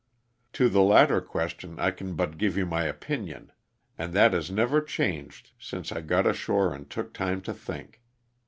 To the latter question I can but give you my opinion, and that has never changed since I got ashore and took time to think.